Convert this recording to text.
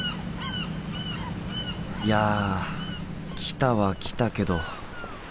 いや来たは来たけど。